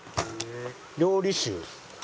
料理酒。